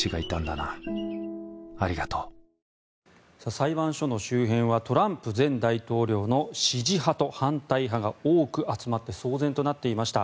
裁判所の周辺はトランプ前大統領の支持派と反対派が多く集まって騒然となっていました。